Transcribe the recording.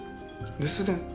留守電？